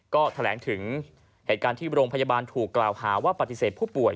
ก็แถลงถึงเหตุการณ์ที่โรงพยาบาลถูกกล่าวหาว่าปฏิเสธผู้ป่วย